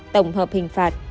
tổng hợp hình phạt